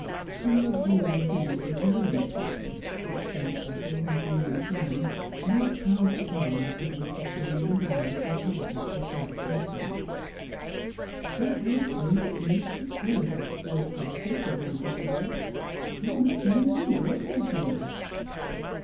The luxurious ease of her own existence, the cscent bottle and green fan, made a power'"ul armour against the elings and arrows of other people's bad fortune If her favourite 240 Strangers and Pilgrims. niece preferred obscure poverty to rank and wealth, she must needs indulge her humour.